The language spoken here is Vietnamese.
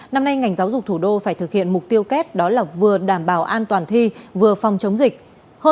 năm nay ngành giáo dục thủ đô phải thực hiện mục tiêu kép đó là vừa đảm bảo an toàn thi vừa phòng chống dịch